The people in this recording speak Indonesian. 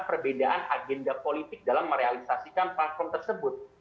perbedaan agenda politik dalam merealisasikan platform tersebut